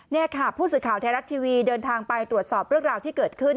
นี่ค่ะผู้สื่อข่าวไทยรัฐทีวีเดินทางไปตรวจสอบเรื่องราวที่เกิดขึ้น